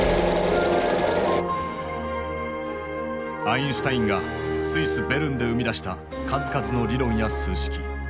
アインシュタインがスイス・ベルンで生み出した数々の理論や数式。